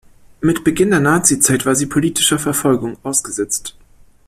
Mit Beginn der Nazi-Zeit war sie politischer Verfolgung ausgesetzt.